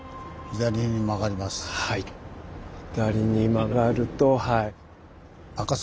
左に曲がるとはい。